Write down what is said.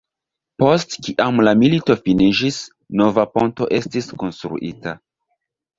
Post kiam la milito finiĝis, nova ponto estis konstruita.